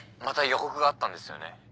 また予告があったんですよね？